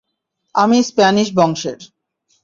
আমি স্প্যানিশ বংশের।